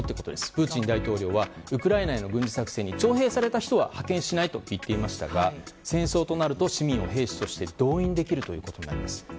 プーチン大統領はウクライナへの軍事作戦で徴兵された人は派遣しないと言っていましたが戦争となると市民を兵士として動員できるということになります。